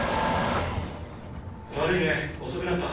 悪いね遅くなった。